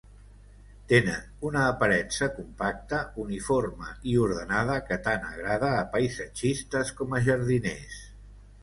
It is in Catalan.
Tenen una aparença compacta, uniforme i ordenada que tant agrada a paisatgistes com a jardiners.